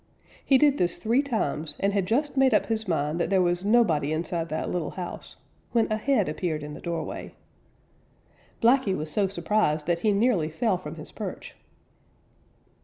He did this three times and had just made up his mind that there was nobody inside that little house when a head appeared in the doorway. Blacky was so surprised that he nearly fell from his perch.